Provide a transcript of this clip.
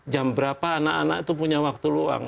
jam berapa anak anak itu punya waktu luang